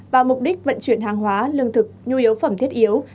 và mục đích vận chuyển hàng hóa lương thực nhu yếu phẩm thiết yếu